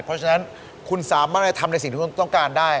เพราะฉะนั้นคุณสามารถทำในสิ่งที่คุณต้องการได้